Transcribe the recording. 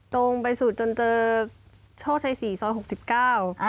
ตรงไปสุดจนเจอโชคชัยสี่ซอยหกสิบเก้า